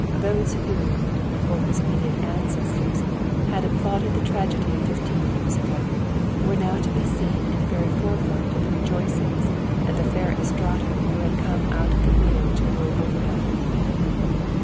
Those who, or whose immediate ancestors, had applauded the tragedy of fifteen years ago, were now to be seen in the very forefront of the rejoicings at the fair Estrato who had come out of the blue to rule over them.